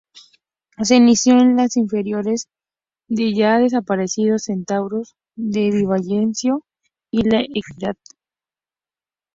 Se inició en la inferiores del ya desaparecido Centauros de Villavicencio y La Equidad.